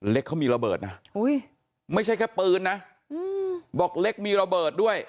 เล็กเขามีระเบิดนะไม่ใช่แค่ปืนนะบอกเล็กมีระเบิดด้วย